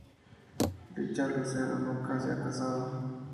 Richard Lucero nunca se ha casado.